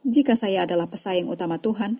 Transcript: jika saya adalah pesaing utama tuhan